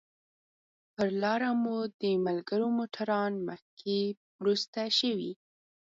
پر لاره مو د ملګرو موټران مخکې وروسته شوي.